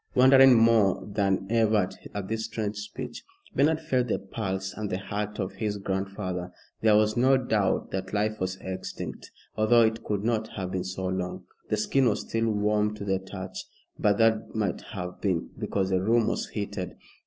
Wondering more than ever at this strange speech, Bernard felt the pulse and the heart of his grandfather. There was no doubt that life was extinct, although it could not have been so long. The skin was still warm to the touch, but that might have been because the room was heated.